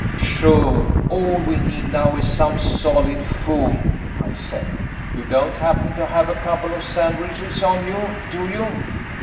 "Sure, all we need now is some solid food," I said. "You don't happen to have a couple of sandwiches on you, do you?"